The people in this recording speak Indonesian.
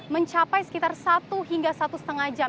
mencapai sekitar satu hingga satu lima jam